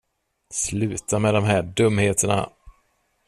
Sluta med de här dumheterna.